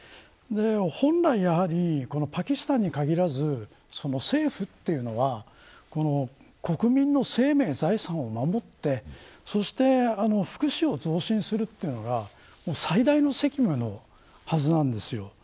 本来やはり、パキスタンに限らず政府というのは国民の生命や財産を守ってそして福祉を増進するというのが最大の責務のはずなんです。